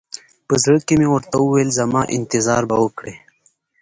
په زړه کښې مې ورته وويل زما انتظار به وکړې.